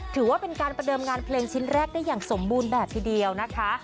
ถือว่าเป็นการประเดิมงานเพลงชิ้นแรกได้อย่างสมบูรณ์แบบทีเดียวนะคะ